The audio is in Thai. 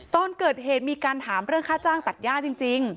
ตอนเกิดเหตุมีการถามเรื่องค่าจ้างตัดย่าจริง